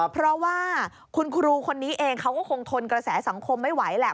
เพราะว่าคุณครูคนนี้เองเขาก็คงทนกระแสสังคมไม่ไหวแหละ